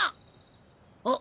あっ。